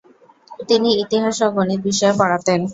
তিনি ইতিহাস ও গণিত বিষয় পড়াতেন।